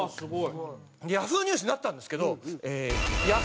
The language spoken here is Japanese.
Ｙａｈｏｏ！ニュースになったんですけど。